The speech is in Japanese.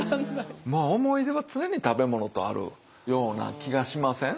思い出は常に食べ物とあるような気がしません？